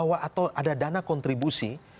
atau ada dana kontribusi